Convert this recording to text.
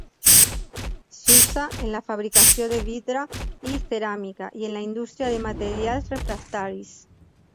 S'usa en la fabricació de vidre i ceràmica i en la indústria de materials refractaris.